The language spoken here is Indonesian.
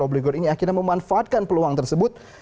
obligor ini akhirnya memanfaatkan peluang tersebut